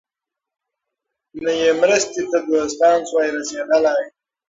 نه یې مرستي ته دوستان سوای رسېدلای ,